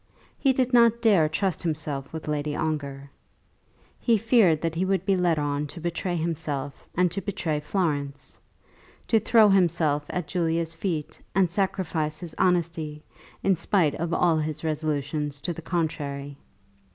He did not dare to trust himself with Lady Ongar. He feared that he would be led on to betray himself and to betray Florence, to throw himself at Julia's feet and sacrifice his honesty, in spite of all his resolutions to the contrary.